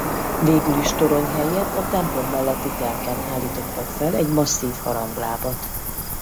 Végül is torony helyett a templom melletti telken állítottak fel egy masszív haranglábat.